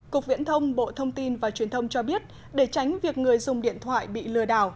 cục viễn thông bộ thông tin và truyền thông cho biết để tránh việc người dùng điện thoại bị lừa đảo